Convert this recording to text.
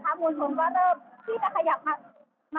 กว่าถึงประกาศที่นี่ตั้งแต่เวลา๑๒นาฬิกา